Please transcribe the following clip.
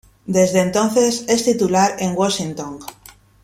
Desde entonces es titular en Washington.